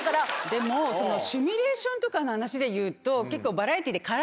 でもシミュレーションとかの話でいうと結構。